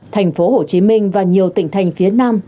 thành phố hồ chí minh và nhiều tỉnh thành phía nam